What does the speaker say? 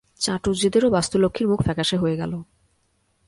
চাটুজ্যেদেরও বাস্তুলক্ষ্মীর মুখ ফ্যাকাশে হয়ে গেল।